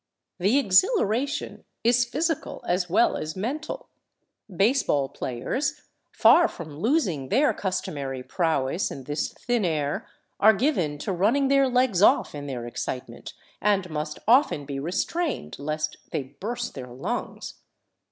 The exhilara tion is physical as well as mental. Baseball players, far from losing their customary prowess in this thin air, are given to running their legs off in their excitement, and must often be restrained lest they burst their lungs.